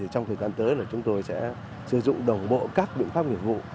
trong thời gian tới chúng tôi sẽ sử dụng đồng bộ các biện pháp nghiệp vụ